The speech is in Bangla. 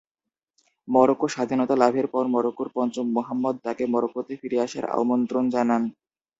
মরোক্কো স্বাধীনতা লাভের পর, মরোক্কোর পঞ্চম মোহাম্মদ তাকে মরোক্কোতে ফিরে আসার আমন্ত্রণ জানান।